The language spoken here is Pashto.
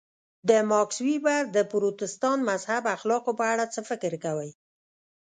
د ماکس وېبر د پروتستانت مذهب اخلاقو په اړه څه فکر کوئ.